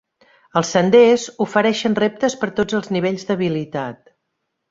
Els senders ofereixen reptes per a tots els nivells d'habilitat.